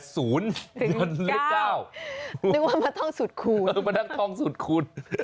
นึกว่ามันต้องสุดคูณ